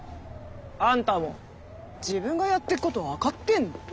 あんたも自分がやってること分かってんの？